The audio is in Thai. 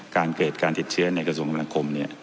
การเกร็ดการติดเชื้อในกระทรวงคำบรรคมเนี่ย